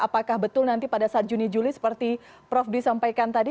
apakah betul nanti pada saat juni juli seperti prof dwi sampaikan tadi